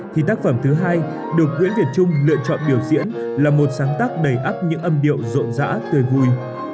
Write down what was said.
thì tác phẩm thứ hai được nguyễn việt trung lựa chọn biểu diễn là một sáng tác đầy ấp những âm điệu rộn rã tươi vui